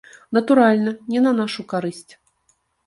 Натуральна, не на нашу карысць.